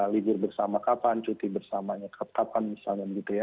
libur bersama kapan cuti bersamanya kapan misalnya gitu ya